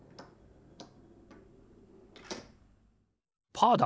パーだ！